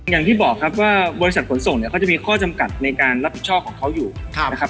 อย่างที่บอกครับว่าบริษัทขนส่งเนี่ยเขาจะมีข้อจำกัดในการรับผิดชอบของเขาอยู่นะครับ